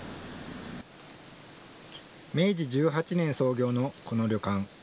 明治１８年創業のこの旅館。